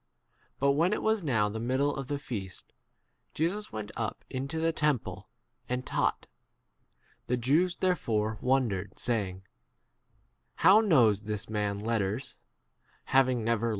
* But when it was now the middle of the feast, Jesus went up into 5 the temple ° and taught, p The Jews therefore wondered, saying, How knows this man letters, having m T.R.